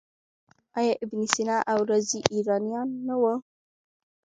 آیا ابن سینا او رازي ایرانیان نه وو؟